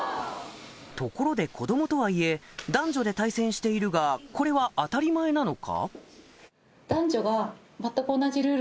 ところで子供とはいえ男女で対戦しているがこれは当たり前なのか？